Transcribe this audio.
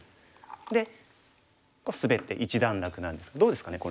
でスベって一段落なんですがどうですかね